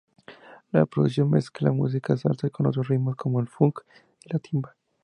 La producción mezcla música salsa con otros ritmos como el funk y la timba.